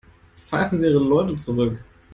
Pfeifen Sie Ihre Leute zurück.